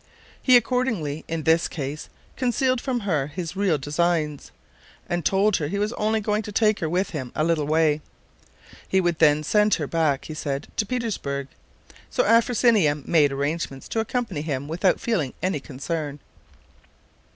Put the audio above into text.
He accordingly, in this case, concealed from her his real designs, and told her he was only going to take her with him a little way. He would then send her back, he said, to Petersburg. So Afrosinia made arrangements to accompany him without feeling any concern.